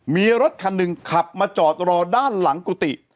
มีรถคันหนึ่งขับมาจอดรอด้านหลังกุฏิ